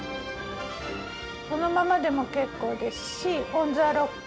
このままでも結構ですしオンザロック